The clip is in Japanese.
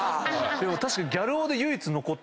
でも確かに。